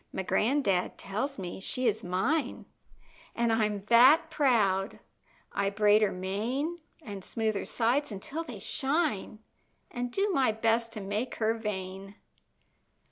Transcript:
My gran'dad tells me she is mine, An' I'm that proud! I braid her mane, An' smooth her sides until they shine, An' do my best to make her vain.